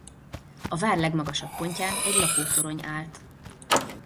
A vár legmagasabb pontján egy lakótorony állt.